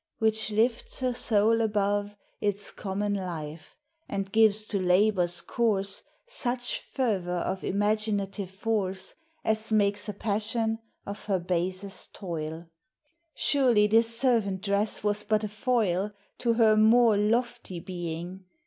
which lifts her soul ah Its common life, and gives to labors Such fervor of imaginative force As makes a passion of her basest toil. 352 POEMS OF SENTIMENT. Surely this servant dress was but a foil To her more lofty being